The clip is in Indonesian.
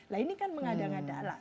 nah ini kan mengada ngadalah